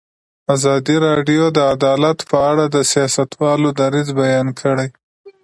ازادي راډیو د عدالت په اړه د سیاستوالو دریځ بیان کړی.